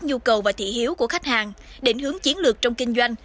nhu cầu và thị hiếu của khách hàng định hướng chiến lược trong kinh doanh